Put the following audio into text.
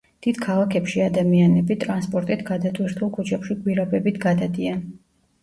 დიდ ქალაქებში ადამიანები ტრანსპორტით გადატვირთულ ქუჩებში გვირაბებით გადადიან.